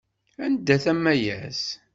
Anda-t Amayas?